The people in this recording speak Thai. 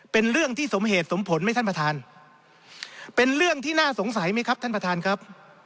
เป็นเรื่องที่สมเหตุสมผลไหมท่านประธานเป็นเรื่องที่น่าสงสัยไหมครับท่านประธานครับ